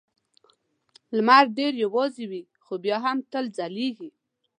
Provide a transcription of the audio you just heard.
لمر ډېر یوازې وي خو بیا هم تل ځلېږي.